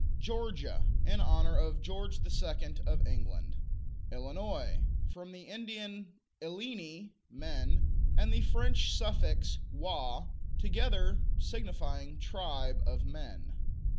Georgia In honor of George II. of England. Illinois From the Indian "illini," men, and the French suffix "ois," together signifying "tribe of men."